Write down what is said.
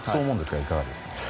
いかがですか？